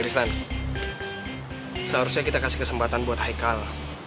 seharusnya kita kasih kesempatan buat haikal